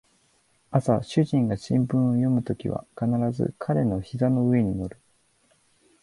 朝主人が新聞を読むときは必ず彼の膝の上に乗る